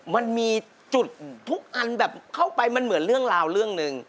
มันมีจุดทุกอันแบบเข้าไปมันเหมือนเรื่องราวเรื่องหนึ่ง